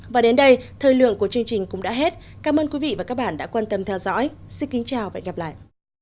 và đến đây thời lượng của chương trình cũng đã hết cảm ơn quý vị và các bạn đã quan tâm theo dõi xin kính chào và hẹn gặp lại